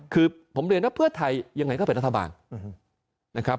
คือผมเรียนว่าเพื่อไทยยังไงก็เป็นรัฐบาลนะครับ